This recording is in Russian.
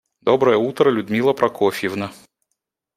Доброе утро, Людмила Прокофьевна.